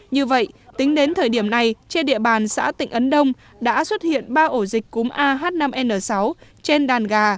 như vậy tính đến thời điểm này trên địa bàn xã tịnh ấn đông đã xuất hiện ba ổ dịch cúm ah năm n sáu trên đàn gà